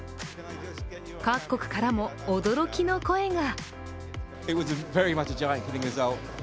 各国からも驚きの声が。